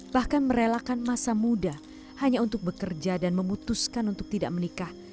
bahkan merelakan masa muda hanya untuk bekerja dan memutuskan untuk tidak menikah